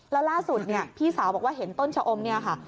แล้วล่าสุดเนี่ยพี่สาวบอกว่าเห็นต้นชะอมเนี่ยค่ะ